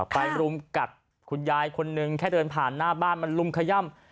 รุมกัดคุณยายคนนึงแค่เดินผ่านหน้าบ้านมันลุมขย่ำ